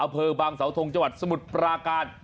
อำเภอบางสาวทงจังหวัดสมุทรปราการ